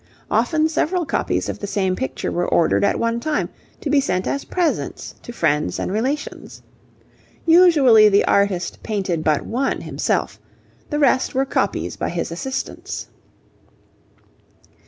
Often, several copies of the same picture were ordered at one time to be sent as presents to friends and relations. Usually the artist painted but one himself; the rest were copies by his assistants.